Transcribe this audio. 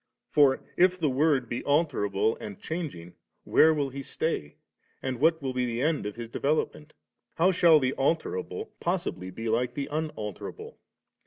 For if the Word be alterable and changing, where will He stay, and what will be the end of His development? how shall the alterable possibly be like the Unalterable?